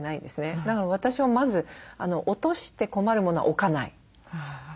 だから私はまず落として困るものは置かない。